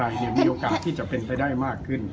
มีโอกาสที่จะเป็นไปได้มากขึ้น